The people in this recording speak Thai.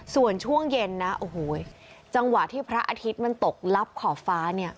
ส่วนช่วงเย็นนะโอ้โหจังหวะที่พระอาทิตย์มันตกลับขอบฟ้าเนี่ย